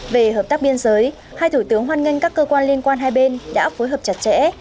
về hợp tác biên giới hai thủ tướng hoan nghênh các cơ quan liên quan hai bên đã phối hợp chặt chẽ